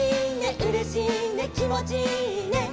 「うれしいねきもちいいね」